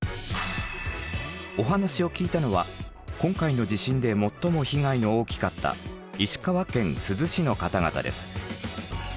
お話を聞いたのは今回の地震で最も被害の大きかった石川県珠洲市の方々です。